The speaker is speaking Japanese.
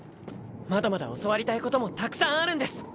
まだまだ教わりたいこともたくさんあるんです。